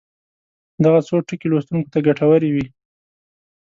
دغه څو ټکي لوستونکو ته ګټورې وي.